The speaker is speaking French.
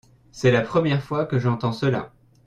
c'est la première fois que j'entends cela.